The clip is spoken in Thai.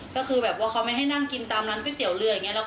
ก็คือแบบว่าเขาไม่ให้นั่งกินตามร้านก๋วยเตี๋ยวเรืออย่างนี้